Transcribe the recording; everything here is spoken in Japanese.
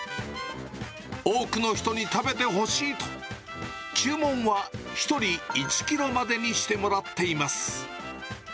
多くの人に食べてほしいと、注文は１人１キロまでにしてもらっています。